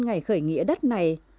ngày khởi nghĩa đất này